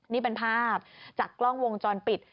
นี่เป็นภาพจากกล้องวงจรปิด